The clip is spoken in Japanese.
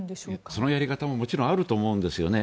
そのやり方ももちろんあると思うんですよね。